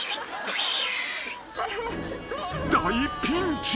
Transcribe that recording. ［大ピンチ］